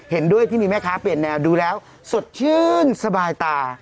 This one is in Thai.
เห็นด้วยที่มีแม่ค้าเปลี่ยนแนวดูแล้วสดชื่นสบายตา